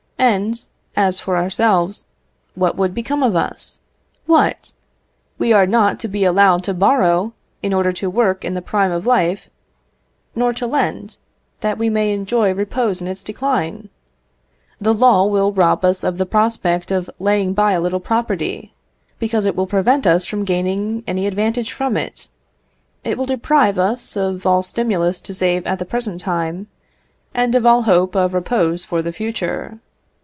And, as for ourselves, what would become of us? What! we are not to be allowed to borrow, in order to work in the prime of life, nor to lend, that we may enjoy repose in its decline? The law will rob us of the prospect of laying by a little property, because it will prevent us from gaining any advantage from it. It will deprive us of all stimulus to save at the present time, and of all hope of repose for the future.